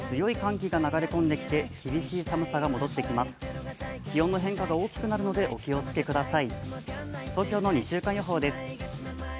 気温の変化が大きくなるのでお気をつけください。